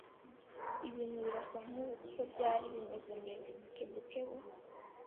Ibintu birasa nkubu nkuko byari bimeze mbere. (kebukebu)